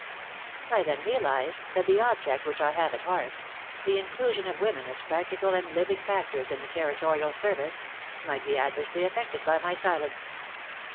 I then realized that the object which I have at heart — the inclusion of women as practical and living factors in the Territorial Service — might be adversely affected by my silence.